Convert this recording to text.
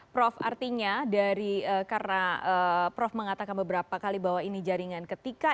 prof artinya dari karena prof mengatakan beberapa kali bahwa ini jaringan ketika